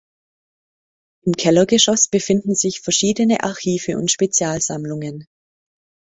Im Kellergeschoss befinden sich verschiedene Archive und Spezialsammlungen.